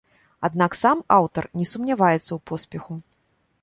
Аднак сам аўтар не сумняваецца ў поспеху.